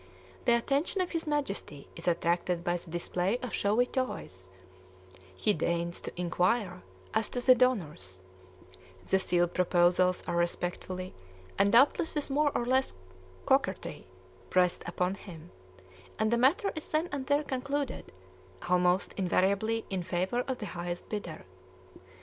The attention of his Majesty is attracted by the display of showy toys; he deigns to inquire as to the donors; the "sealed proposals" are respectfully, and doubtless with more or less coquetry, pressed upon him; and the matter is then and there concluded, almost invariably in favor of the highest bidder.